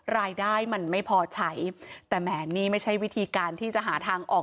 รายได้มันไม่พอใช้แต่แหมนี่ไม่ใช่วิธีการที่จะหาทางออก